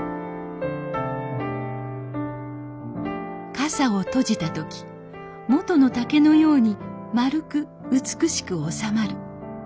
傘を閉じた時もとの竹のように丸く美しく収まる。